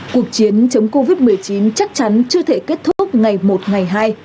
cuộc chiến chống covid một mươi chín chắc chắn chưa thể kết thúc ngày một ngày hai